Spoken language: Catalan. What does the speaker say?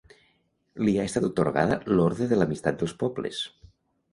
Li ha estat atorgada l'Orde de l'Amistat dels Pobles.